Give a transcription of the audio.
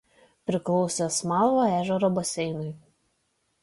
Priklauso Smalvo ežero baseinui.